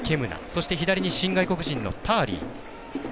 そして、左に新外国人のターリー。